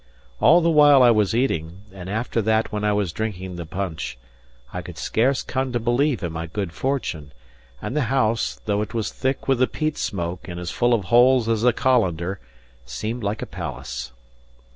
All the while I was eating, and after that when I was drinking the punch, I could scarce come to believe in my good fortune; and the house, though it was thick with the peat smoke and as full of holes as a colander, seemed like a palace.